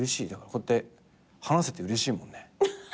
こうやって話せてうれしいもん。